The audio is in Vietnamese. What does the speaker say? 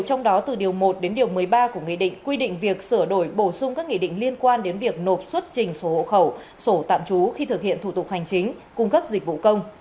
trong đó từ điều một đến điều một mươi ba của nghị định quy định việc sửa đổi bổ sung các nghị định liên quan đến việc nộp xuất trình sổ hộ khẩu sổ tạm trú khi thực hiện thủ tục hành chính cung cấp dịch vụ công